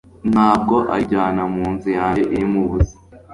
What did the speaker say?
ntabwo ari kunjyana munzu yanjye irimo ubusa